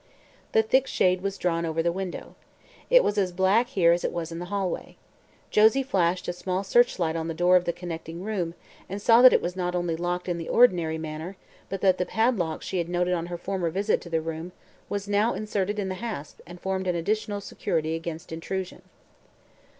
The thick shade was drawn over the window. It was as black here as it was in the hallway. Josie flashed a small searchlight on the door of the connecting room and saw that it was not only locked in the ordinary manner but that the padlock she had noted on her former visit to the room was now inserted in the hasp and formed an additional security against intrusion.